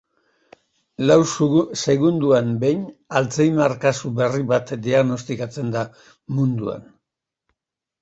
Lau segundoan behin alzheimer kasu berri bat diagnostikatzen da munduan.